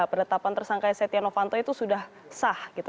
penetapan tersangka setia novanto itu sudah sah gitu